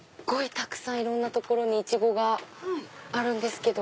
たくさんいろんな所にイチゴがあるんですけど。